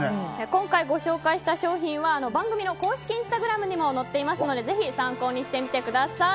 今回ご紹介した商品は番組の公式インスタグラムにも載ってますのでぜひ参考にしてみてください。